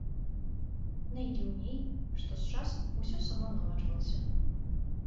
Найдзіўней, што з часам усё само наладжвалася.